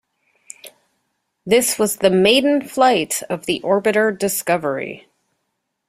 This was the maiden flight of the orbiter "Discovery".